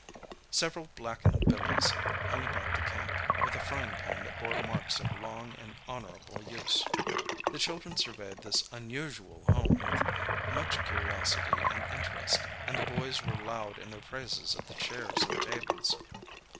Several blackened billies hung about the camp, with a frying pan that bore marks of long and honourable use. The children surveyed this unusual home with much curiosity and interest, and the boys were loud in their praises of the chairs and tables.